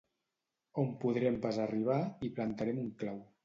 On podrem pas arribar, hi plantarem un clau.